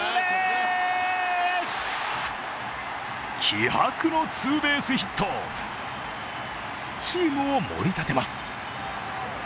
気迫のツーベースヒット、チームをもり立てます。